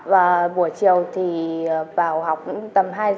và buổi chiều thì vào học tầm hai h